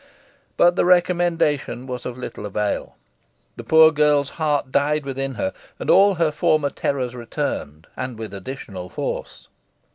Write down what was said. But the recommendation was of little avail. The poor girl's heart died within her, and all her former terrors returned, and with additional force.